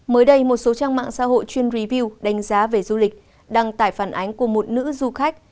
mới đây một số trang mạng xã hội chuyên review đánh giá về du lịch đăng tải phản ánh của một nữ du khách